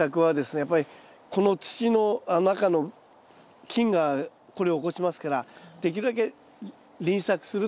やっぱりこの土の中の菌がこれを起こしますからできるだけ輪作するということとかですね